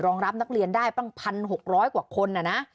รับนักเรียนได้ตั้ง๑๖๐๐กว่าคน